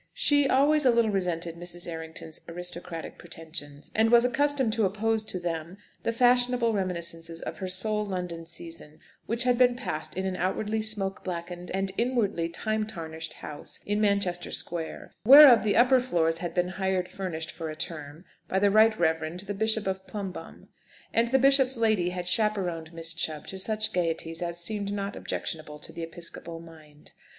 She always a little resented Mrs. Errington's aristocratic pretensions, and was accustomed to oppose to them the fashionable reminiscences of her sole London season, which had been passed in an outwardly smoke blackened and inwardly time tarnished house in Manchester Square, whereof the upper floors had been hired furnished for a term by the Right Reverend the Bishop of Plumbunn. And the bishop's lady had "chaperoned" Miss Chubb to such gaieties as seemed not objectionable to the episcopal mind.